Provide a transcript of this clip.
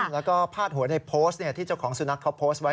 แล้วก็พาดหัวในโพสต์ที่เจ้าของสุนัขเขาโพสต์ไว้